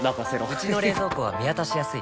うちの冷蔵庫は見渡しやすい